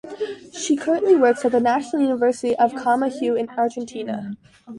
She currently works at the National University of Comahue in Argentina.